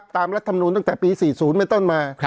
ตามรัฐธรรมดูลตั้งแต่ปี๔๐ไม่ต้นมา